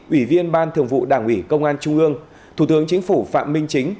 ủy viên ban thường vụ đảng ủy công an trung ương thủ tướng chính phủ phạm minh chính